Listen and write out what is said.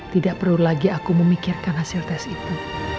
tidak perlu lagi aku memikirkan hasil tes itu